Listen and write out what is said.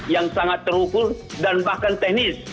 yang sangat terukur dan bahkan teknis